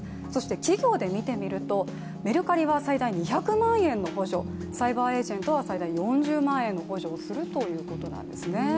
企業で見てみるとメルカリは最大２００万円の補助、サイバーエージェントは最大４０万円の補助をするということなんですね。